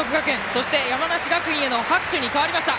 そして、山梨学院への拍手に変わりました。